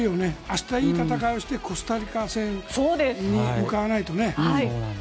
明日、いい戦いをしてコスタリカ戦に向かわないとね。